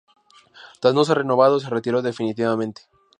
Tras no ser renovado, se retiró definitivamente.